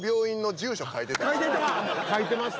書いてました